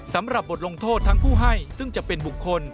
สำหรับบทลงโทษทั้งผู้ให้ซึ่งจะเป็นบุคคล